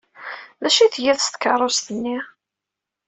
D acu ay tgiḍ s tkeṛṛust-nni?